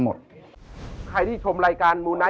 ชื่องนี้ชื่องนี้ชื่องนี้ชื่องนี้